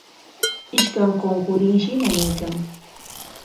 Ishkan qunqurinshi nanaykan.